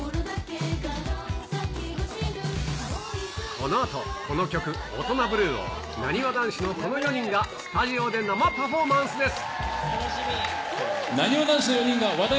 このあと、この曲、オトナブルーを、なにわ男子のこの４人が、スタジオで生パフォーマンスです。